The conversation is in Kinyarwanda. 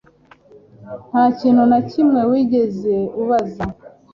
Nta kintu na kimwe wigeze ubaza